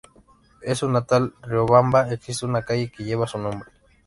En su natal Riobamba, existe una calle que lleva su nombre.